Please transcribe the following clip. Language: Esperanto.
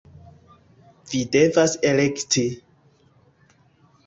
- Vi devas elekti!